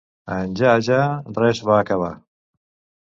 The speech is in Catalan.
En ja, ja, res va acabar.